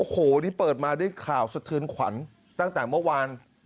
โอ้โหนี่เปิดมาด้วยข่าวสะเทือนขวัญตั้งแต่เมื่อวาน